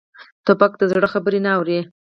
توپک د زړه خبرې نه اوري.